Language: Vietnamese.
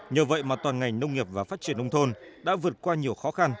nhờ vậy mà toàn ngành nông nghiệp và phát triển nông thôn đã vượt qua nhiều khó khăn